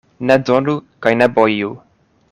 Ne donu kaj ne boju.